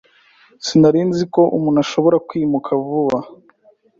Sinari nzi ko umuntu ashobora kwimuka vuba.